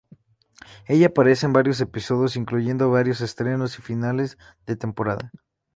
Ella aparece en varios episodios, incluyendo varios estrenos y finales de temporada.